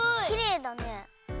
きれいだね。